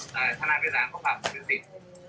ธนาคติศาสตร์ก็ปรากศิษย์ผมเนี่ย